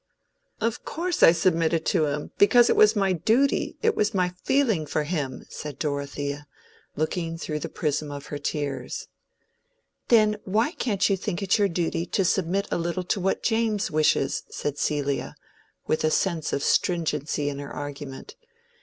"Of course I submitted to him, because it was my duty; it was my feeling for him," said Dorothea, looking through the prism of her tears. "Then why can't you think it your duty to submit a little to what James wishes?" said Celia, with a sense of stringency in her argument.